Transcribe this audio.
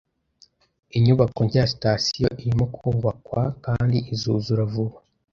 Inyubako nshya ya sitasiyo irimo kubakwa kandi izuzura vuba